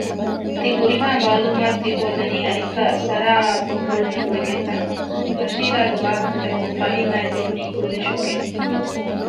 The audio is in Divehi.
ތިހުރިހާ މަޢްލޫމާތު ތިހޯދަނީ އަނެއްކާ ސަރާއާ ކޮން ގުޅުމެއް އޮވެގެންތަ؟ ބަޝީރާގެ ވާހަކަތަކުން ފަހީމާއަށް ލިބުނީ ކުއްލި ޝޮކެއް